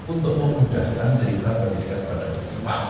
untuk memudahkan cerita pendidikan